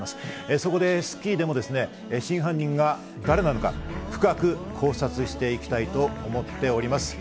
そこで『スッキリ』でも真犯人が誰なのか、深く考察していきたいと思っております。